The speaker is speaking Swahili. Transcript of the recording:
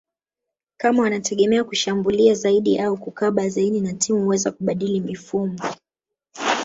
kama wanategemea kushambulia zaidi au kukaba zaidi na timu huweza kubadili mifumo